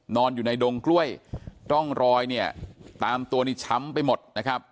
นอนอยู่ในดงกล้วยร่องรอยเนี่ยตามตัวนี้ช้ำไปหมดนะครับ